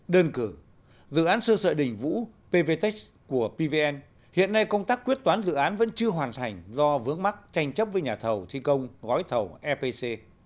đơn cử dự án sơ sợi đình vũ pvtec của pvn hiện nay công tác quyết toán dự án vẫn chưa hoàn thành do vướng mắc tranh chấp với nhà thầu thi công gói thầu epc